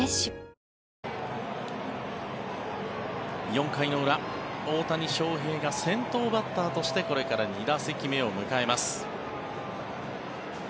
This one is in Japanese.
４回の裏、大谷翔平が先頭バッターとしてこれから２打席目を迎えます。